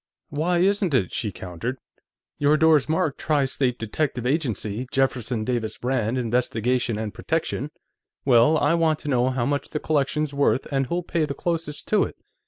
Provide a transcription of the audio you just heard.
"Why isn't it?" she countered. "Your door's marked Tri State Detective Agency, Jefferson Davis Rand, Investigation and Protection. Well, I want to know how much the collection's worth, and who'll pay the closest to it.